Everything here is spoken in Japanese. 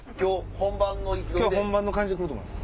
本番の感じで来ると思います。